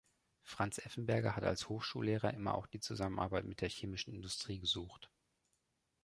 Franz Effenberger hat als Hochschullehrer immer auch die Zusammenarbeit mit der chemischen Industrie gesucht.